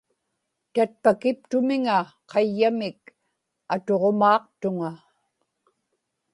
tatpakiptumiŋa qayyamik atuġumaaqtuŋa